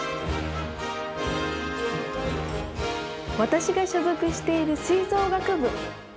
私が所属している吹奏楽部。